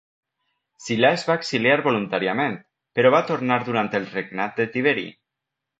Silà es va exiliar voluntàriament, però va tornar durant el regnat de Tiberi.